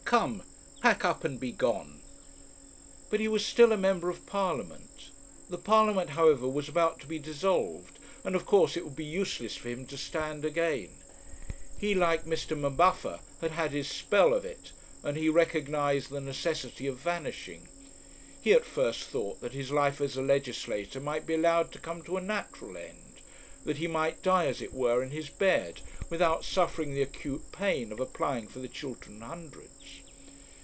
Come! pack up; and begone. But he was still a Member of Parliament. The Parliament, however, was about to be dissolved, and, of course, it would be useless for him to stand again; he, like Mr. M'Buffer had had his spell of it, and he recognized the necessity of vanishing. He at first thought that his life as a legislator might be allowed to come to a natural end, that he might die as it were in his bed, without suffering the acute pain of applying for the Chiltern Hundreds.